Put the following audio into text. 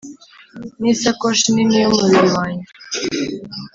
nisakoshi nini yumubiri wanjye